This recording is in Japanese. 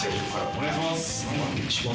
お願いします。